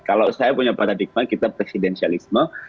kalau saya punya paradigma kita presidensialisme